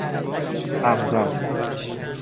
عمدا